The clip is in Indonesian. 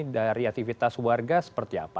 dari aktivitas warga seperti apa